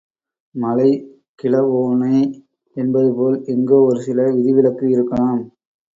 மலை கிழ வோனே என்பதுபோல் எங்கோ ஒருசில விதிவிலக்கு இருக்கலாம்.